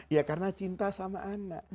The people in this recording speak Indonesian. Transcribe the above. ya karena cinta sama anak